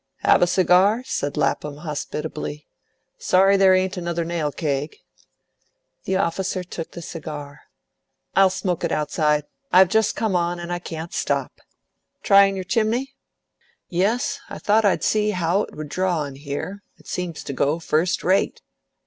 "Have a cigar?" said Lapham hospitably. "Sorry there ain't another nail keg." The officer took the cigar. "I'll smoke it outside. I've just come on, and I can't stop. Tryin' your chimney?" "Yes, I thought I'd see how it would draw, in here. It seems to go first rate."